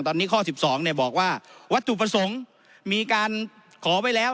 ตอนนี้ข้อ๑๒บอกว่าวัตถุประสงค์มีการขอไว้แล้ว